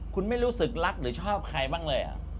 คุณไม่รู้สึกรักหรือชอบใครบ้างเลย